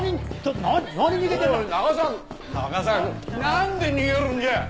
何で逃げるんじゃ！